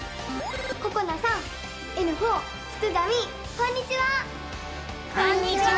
こんにちは！